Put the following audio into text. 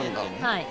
はい。